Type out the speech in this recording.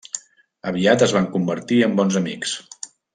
Aviat es van convertir en bons amics.